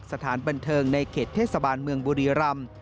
สถานบันเทิงในเขตเทศบาลเมืองบุรีรำ